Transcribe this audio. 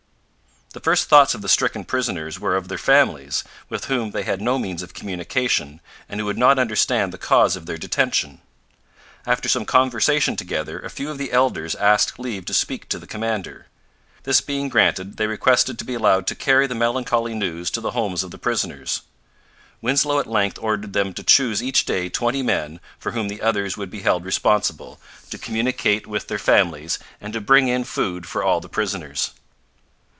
The first thoughts of the stricken prisoners were of their families, with whom they had no means of communication and who would not understand the cause of their detention. After some conversation together, a few of the elders asked leave to speak to the commander. This being granted, they requested to be allowed to carry the melancholy news to the homes of the prisoners. Winslow at length ordered them to choose each day twenty men, for whom the others would be held responsible, to communicate with their families, and to bring in food for all the prisoners.